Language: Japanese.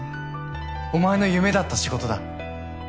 お前の夢だった仕事だ。